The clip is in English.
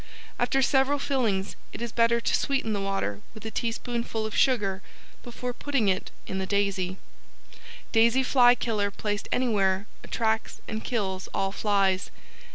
After several fillings, it is better to sweeten the water with a teaspoonful of sugar before putting it in the Daisy. Daisy Fly Killer placed anywhere attracts and kills all flies.